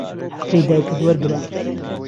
حهقی دایکت وهرگره